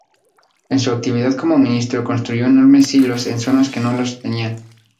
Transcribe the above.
En su actividad como ministro construyó enormes silos en zonas que no los tenían.